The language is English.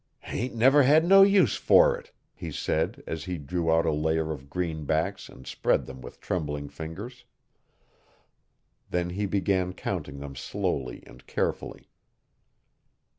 'Hain't never hed no use fer it,' he said as he drew out a layer of greenbacks and spread them with trembling fingers. Then he began counting them slowly and carefully.